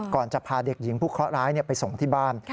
จะพาเด็กหญิงผู้เคาะร้ายไปส่งที่บ้าน